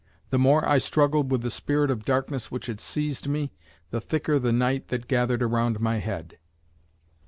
The more I struggled with the spirit of darkness which had seized me, the thicker the night that gathered around my head.